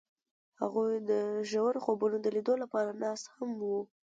هغوی د ژور خوبونو د لیدلو لپاره ناست هم وو.